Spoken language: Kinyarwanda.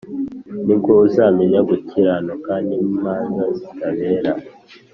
ni bwo uzamenya gukiranuka n’imanza zitabera,